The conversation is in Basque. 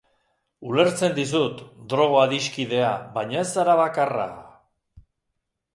Ulertzen dizut, Drogo adiskidea, baina ez zara bakarra...